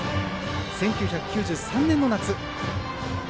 １９９３年の夏。